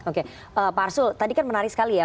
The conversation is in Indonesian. oke pak arsul tadi kan menarik sekali ya